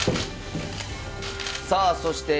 さあそして